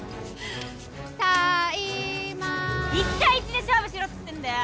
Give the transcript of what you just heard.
１対１で勝負しろっつってんだよ！